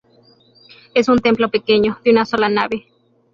Es un templo pequeño, de una sola nave.